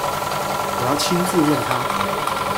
我要親自問他